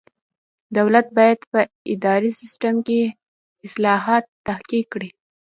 دولت باید په اداري سیسټم کې اصلاحات تحقق کړي.